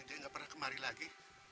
udah lah dia gak pernah kemari lagi